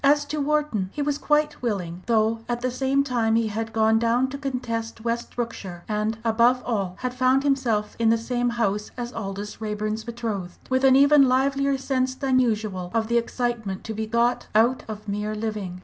As to Wharton he was quite willing, though at the same time he had gone down to contest West Brookshire, and, above all, had found himself in the same house as Aldous Raeburn's betrothed, with an even livelier sense than usual of the excitement to be got out of mere living.